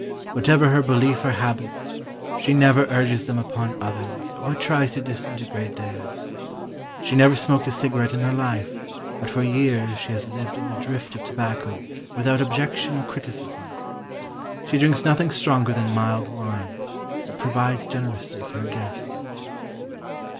Whatever her belief or habits, she never urges them upon others, or tries to disintegrate theirs. She never smoked a cigarette in her life, but for years she has lived in a drift of tobacco, without objection or criticism. She drinks nothing stronger than mild wine, but provides generously for her guests.